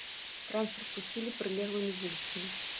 Транспарт пусцілі прылеглымі вуліцамі.